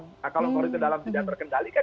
nah kalau orang dari dalam tidak terkendalikan